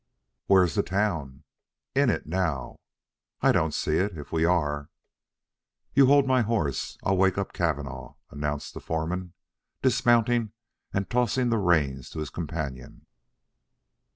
"Where's the town?" "In it now." "I don't see it, if we are." "You hold my horse. I'll wake up Cavanagh," announced the foreman, dismounting and tossing the reins to his companion.